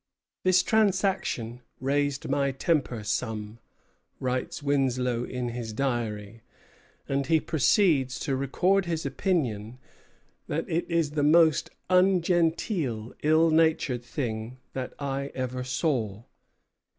"This transaction raised my temper some," writes Winslow in his Diary; and he proceeds to record his opinion that "it is the most ungenteel, ill natured thing that ever I saw."